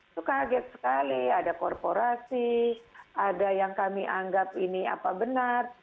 itu kaget sekali ada korporasi ada yang kami anggap ini apa benar